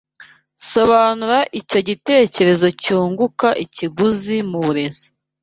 Sobanura icyo igitekerezo cyunguka ikiguzi muburezi